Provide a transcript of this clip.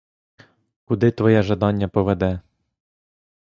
Куди твоє жадання поведе.